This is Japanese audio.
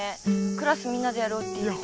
クラスみんなでやろうって言ってんのに。